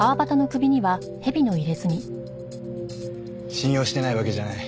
信用してないわけじゃない。